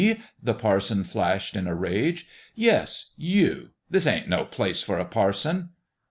" the parson flashed, in a rage. " Yes you ! This ain't no place for a parson."